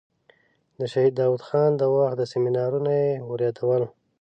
د شهید داود خان د وخت سیمینارونه یې وریادول.